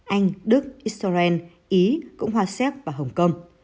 anh đức israel ý cộng hòa xếp và hồng kông